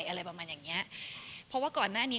อะไรประมาณอย่างเนี้ยเพราะว่าก่อนหน้านี้